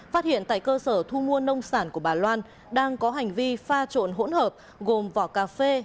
phát hiện tại cơ sở thu mua nông sản của bà loan đang có hành vi pha trộn hỗn hợp gồm vỏ cà phê